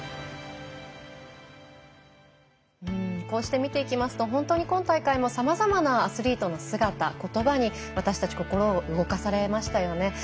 こうして見ていきますと本当に今大会もさまざまなアスリートの姿ことばに私たち心を動かされましたよね。